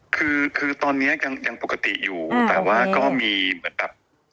คือคือตอนนี้ยังปกติอยู่แต่ว่าก็มีเหมือนแบบ